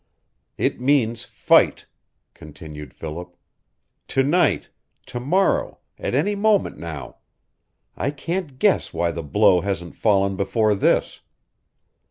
"It means fight," continued Philip. "To night to morrow at any moment now. I can't guess why the blow hasn't fallen before this."